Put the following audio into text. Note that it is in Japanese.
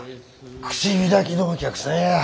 口開きのお客さんや。